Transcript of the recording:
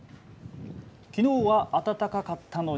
きのうは暖かかったのに。